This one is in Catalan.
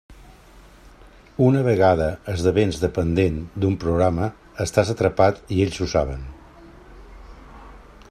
Una vegada esdevens dependent d'un programa, estàs atrapat i ells ho saben.